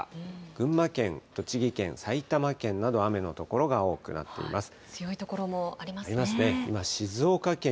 群馬県、栃木県、埼玉県など、雨の所が多くなっています。